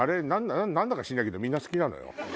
何だか知んないけどみんな好きなのよ。